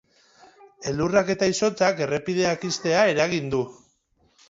Elurrak eta izotzak errepideak ixtea eragin du.